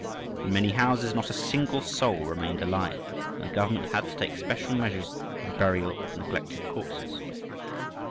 In many houses not a single soul remained alive, and the government had to take special measures for the burial of neglected corpses.